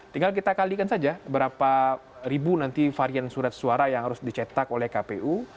tinggal kita kalikan saja berapa ribu nanti varian surat suara yang harus dicetak oleh kpu